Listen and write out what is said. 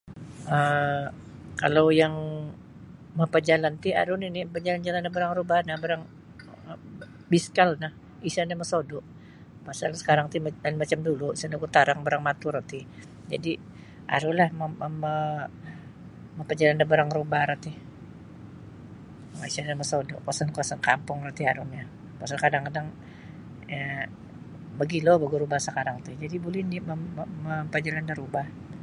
um kalau yang mapajalan ti aru nini mapajalan-jalan da barang rubah no barang biskal no isa nio mosodu pasal sakarang ti lain macam dahulu isa nogu tarang barang matu roti jadi arulah mama mapajalan da barang rubah ti isa nio mosodu kawasan-kawasan kampung oni mogilo nogu rubah sekarang ti jadi buli nini mapajalan da rubah.